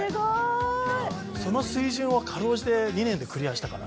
その水準を辛うじて２年でクリアしたから。